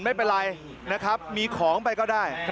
ไม่เป็นไรนะครับมีของไปก็ได้